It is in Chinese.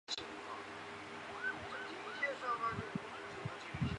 朱活认为齐国圜钱的发行是受到了秦国势力东扩的影响。